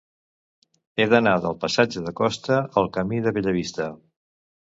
He d'anar del passatge de Costa al camí de Bellavista.